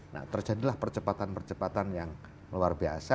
nah terjadilah percepatan percepatan yang luar biasa